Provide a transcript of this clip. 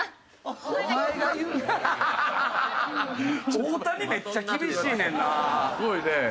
太田にめっちゃ厳しいねんな。